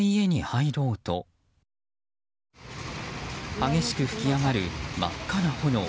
激しく噴き上がる真っ赤な炎。